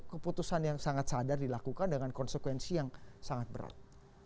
keputusan yang sangat sadar dilakukan dengan konsekuensi yang sangat berat